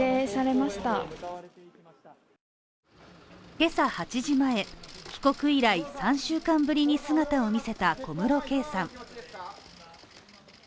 今朝８時前、帰国以来３週間ぶりに姿を見せた小室圭さん。